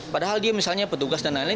padahal dia misalnya petugas dan lain lain